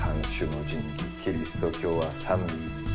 キリスト教は「三位一体」。